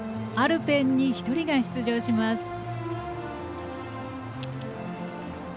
アルペンに１人が出場します。